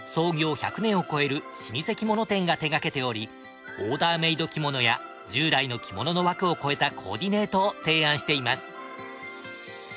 １００年を超える老舗着物店が手がけておりオーダーメード着物や従来の着物の枠を超えたコーディネートを提案しています。